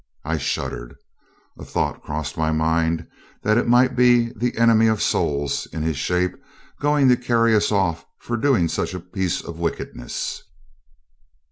I shuddered. A thought crossed my mind that it might be the Enemy of Souls, in his shape, going to carry us off for doing such a piece of wickedness.